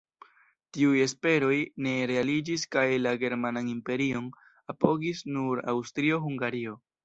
Tiuj esperoj ne realiĝis kaj la Germanan Imperion apogis nur Aŭstrio-Hungario.